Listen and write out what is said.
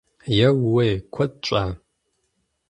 Еууей! Куэд щӏа?